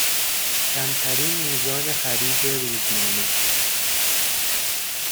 کمترین میزان خرید روزنامه